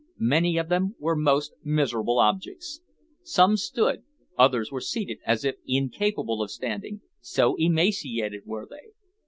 Many of them were most miserable objects. Some stood, others were seated as if incapable of standing, so emaciated were they.